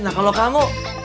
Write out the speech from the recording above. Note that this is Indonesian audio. nah kalau kamu